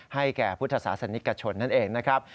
ให้แก่พุทธศาสนิกชนนั่นเองนะครับ